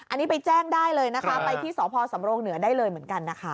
อันนี้ไปแจ้งได้เลยนะคะไปที่สพสำรงเหนือได้เลยเหมือนกันนะคะ